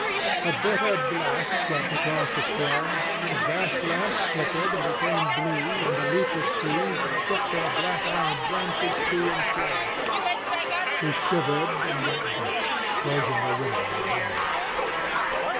A bitter blast swept across the square. The gas lamps flickered and became blue, and the leafless trees shook their black iron branches to and fro. He shivered and went back, closing the window behind him.